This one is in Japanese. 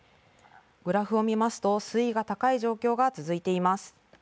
グラフを見ますと水位が高い状況が続いています。